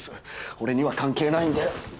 俺には関係ないんで。